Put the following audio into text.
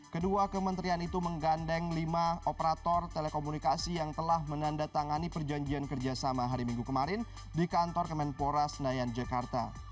kedua kementerian itu menggandeng lima operator telekomunikasi yang telah menandatangani perjanjian kerjasama hari minggu kemarin di kantor kemenpora senayan jakarta